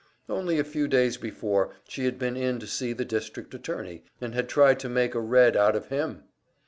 Only a few days before she had been in to see the district attorney, and had tried to make a Red out of him!